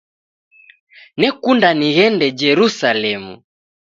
Nekunda nighende Jerusalemu